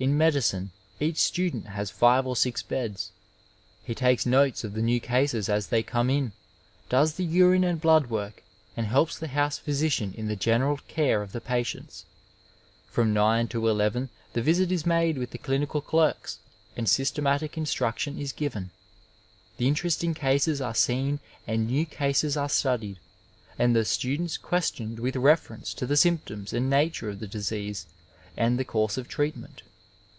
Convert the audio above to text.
Li medicine each student has five or six beds. He takes notes of the new cases as they come in, does the urine and blood work and helps the house physician in the general care of the patients. From nine to eleven the visit is made 838 Digitized by Google THE HOSPITAL AS A COLLEGE with the clinical clerks, and systematic instruction is given. The interesting cases are seen and new cases are stadied, and the students questioned with reference to the symptoms and nature of the disease and the course of treatment.